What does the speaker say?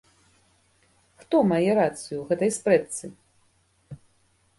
Хто мае рацыю ў гэтай спрэчцы?